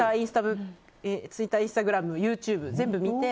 ツイッター、インスタグラムＹｏｕＴｕｂｅ、全部見て。